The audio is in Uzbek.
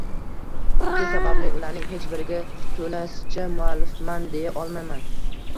Shu sababli ularning hech biriga toʻlasicha muallifman deya olmayman